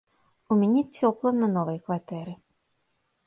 У мяне цёпла на новай кватэры.